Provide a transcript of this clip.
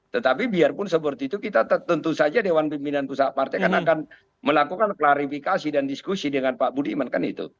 tetapi biarpun seperti itu kita tentu saja dewan pimpinan pusat partai kan akan melakukan klarifikasi dan diskusi dengan pak budiman kan itu